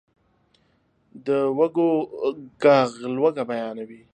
د وږو ږغ لوږه بیانوي.